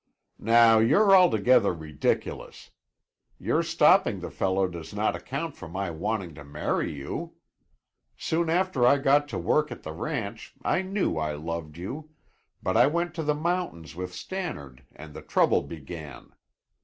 "Now, you're altogether ridiculous! Your stopping the fellow does not account for my wanting to marry you. Soon after I got to work at the ranch I knew I loved you, but I went to the mountains with Stannard and the trouble began.